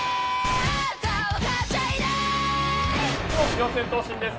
四千頭身です